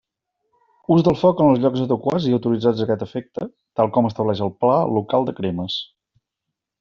Ús del foc en els llocs adequats i autoritzats a aquest efecte, tal com estableix el Pla local de cremes.